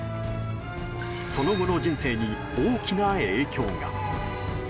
その後の人生に、大きな影響が。